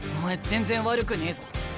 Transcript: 全然悪くねえぞ。